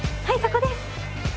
はいそこです！